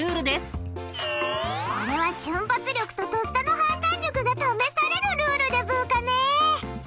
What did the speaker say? これは瞬発力ととっさの判断力が試されるルールだブーカね。